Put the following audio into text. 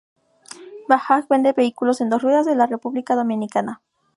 Bajaj vende vehículos de dos ruedas en la República Dominicana.